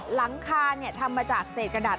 หลังคาเนี่ยทำมาจากเสร็จกระดาษ